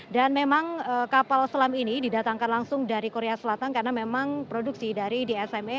dan memang kapal selam ini didatangkan langsung dari korea selatan karena memang produksi dari dsme